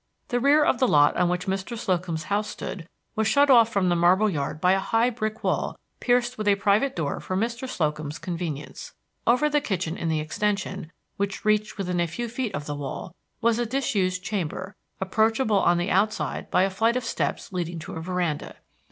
The rear of the lot on which Mr. Slocum's house stood was shut off from the marble yard by a high brick wall pierced with a private door for Mr. Slocum's convenience. Over the kitchen in the extension, which reached within a few feet of the wall, was a disused chamber, approachable on the outside by a flight of steps leading to a veranda.